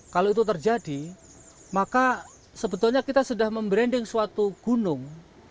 kalau itu terjadi maka sebetulnya kita sudah membranding suatu gunung